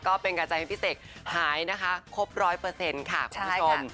ก็เป็นกำลังใจให้พี่เสกหายนะคะครบ๑๐๐ค่ะคุณผู้ชม